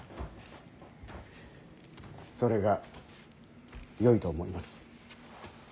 それがよいと思います。